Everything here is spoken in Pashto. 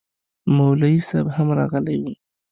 مولوي صاحب هم راغلی و